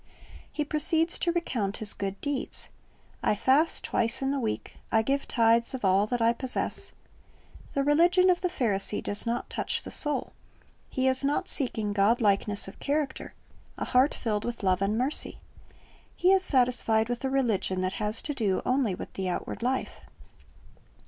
He proceeds to recount his good deeds: "I fast twice in the week, I give tithes of all that I possess." The religion of the Pharisee does not touch the* soul. He is not seeking Godlikeness of character, a heart filled with love and mercy. He is satisfied with a religion that has to do only with the outward life.